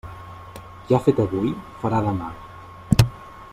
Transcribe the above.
Qui ha fet avui, farà demà.